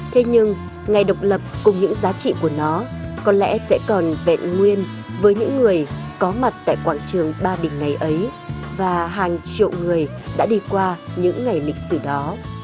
thế nhưng ngày độc lập cùng những giá trị của nó có lẽ sẽ còn vẹn nguyên với những người có mặt tại quảng trường ba đình ngày ấy và hàng triệu người đã đi qua những ngày lịch sử đó